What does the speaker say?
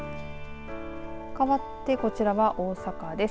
かわって、こちらは大阪です。